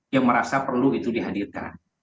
yang merasa perlu itu dihadirkan